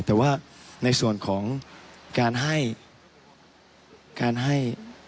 แต่ว่าในส่วนของการให้